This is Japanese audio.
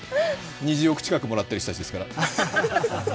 ２０億近くもらってる人たちですから。